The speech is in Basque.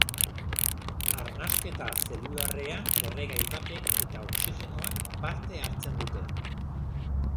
Arnasketa zelularrean erregai batek eta oxigenoak parte hartzen dute.